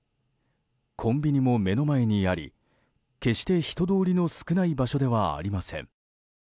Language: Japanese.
コンビニも目の前にあり決して人通りの少ない場所ではありません。